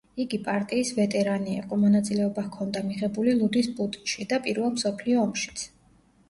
იგი პარტიის ვეტერანი იყო, მონაწილეობა ჰქონდა მიღებული ლუდის პუტჩში და პირველ მსოფლიო ომშიც.